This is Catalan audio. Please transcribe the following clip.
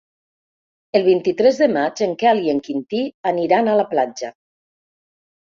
El vint-i-tres de maig en Quel i en Quintí aniran a la platja.